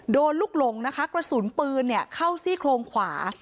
โดนลุกลงกระสุนปืนเข้าซี่โครงขวา